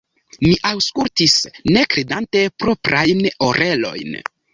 Mi aŭskultis, ne kredante proprajn orelojn.